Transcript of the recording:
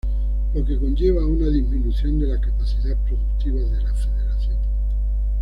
Lo que conlleva a una disminución de la capacidad productiva de la federación.